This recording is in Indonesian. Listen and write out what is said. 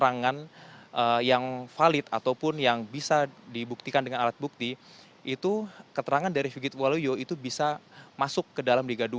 keterangan yang valid ataupun yang bisa dibuktikan dengan alat bukti itu keterangan dari figit waluyo itu bisa masuk ke dalam liga dua